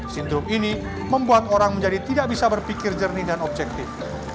sindrom ini membuat orang menjadi tidak bisa berpikir jernih dan objektif